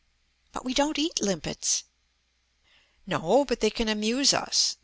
"But we don't eat limpets." "No, but they can amuse us.